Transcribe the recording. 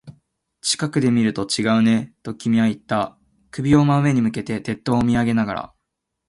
近くで見ると違うね、と君は言った。首を真上に向けて、鉄塔を見上げながら。